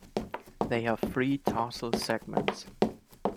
They have three tarsal segments.